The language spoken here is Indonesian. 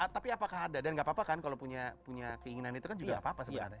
tapi apakah ada dan gak apa apa kan kalau punya keinginan itu kan juga apa apa sebenarnya